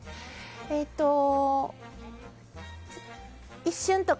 えっと。